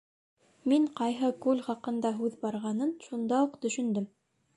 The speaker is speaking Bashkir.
Мин ҡайһы күл хаҡында һүҙ барғанын шунда уҡ төшөндөм.